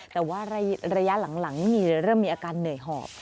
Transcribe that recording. แต่ว่าระยะหลังนี่เริ่มมีอาการเหนื่อยหอบ